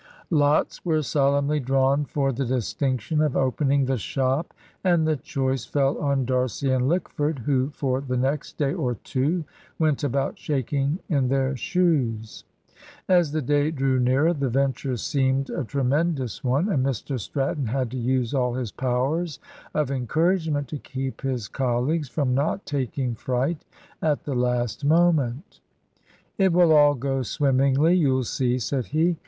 Lots were solemnly drawn for the distinction of opening the shop, and the choice fell on D'Arcy, and Lickford, who for the next day or two went about shaking in their shoes. As the day drew nearer, the venture seemed a tremendous one, and Mr Stratton had to use all his powers of encouragement to keep his colleagues from not taking fright at the last moment. "It will all go swimmingly, you'll see," said he.